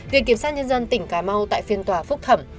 viện kiểm soát nhân dân tỉnh cà mau tại phiên tòa phúc thẩm